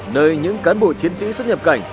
nơi những cán bộ chiến sĩ xuất nhập cảnh